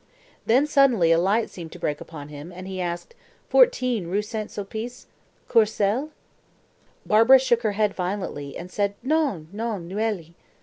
Then suddenly a light seemed to break upon him, and he asked, "14 Rue St. Sulpice, Courcelles?" Barbara shook her head violently, and said, "Non, non, Neuilly."